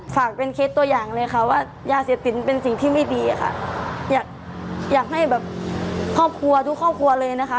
ฝากเป็นเคสตัวอย่างเลยค่ะว่ายาเสพติดเป็นสิ่งที่ไม่ดีอะค่ะอยากอยากให้แบบครอบครัวทุกครอบครัวเลยนะคะ